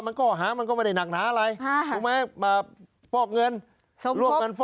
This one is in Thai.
มันก็หามันก็มาในหนักหนาอะไรถูกไหมมาฟอกเงิน